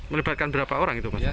melebatkan berapa orang itu